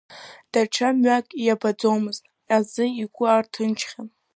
Даҽа мҩак ибаӡомызт азы, игәы арҭынчхьан.